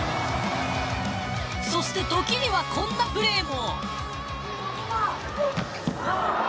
そして時にはこんなプレーも。